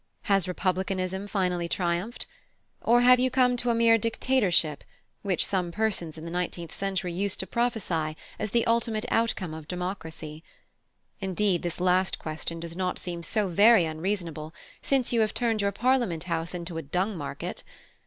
Has republicanism finally triumphed? or have you come to a mere dictatorship, which some persons in the nineteenth century used to prophesy as the ultimate outcome of democracy? Indeed, this last question does not seem so very unreasonable, since you have turned your Parliament House into a dung market.